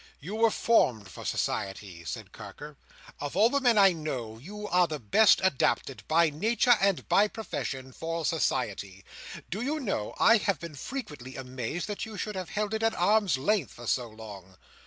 "You were formed for society," said Carker. "Of all the men I know, you are the best adapted, by nature and by position, for society. Do you know I have been frequently amazed that you should have held it at arm's length so long!"